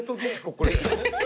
これ。